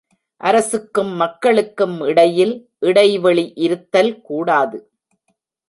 அரசுக்கும் மக்களுக்கும் இடையில் இடைவெளி இருத்தல்கூடாது.